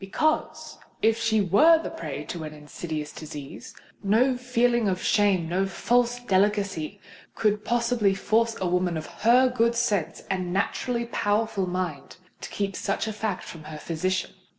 Because, if she were the prey to an insidious disease, no feeling of shame—no false delicacy could possibly force a woman of her good sense and naturally powerful mind to keep such a fact from her physician.